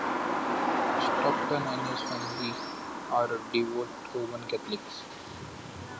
Stockton and his family are devout Roman Catholics.